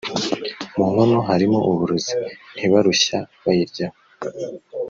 mu nkono harimo uburozi ntibarushya bayiryaho